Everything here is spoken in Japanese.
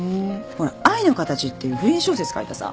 ほら『愛のカタチ』っていう不倫小説書いたさ。